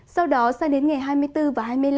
sau đó sang đến ngày hai mươi bốn và hai mươi năm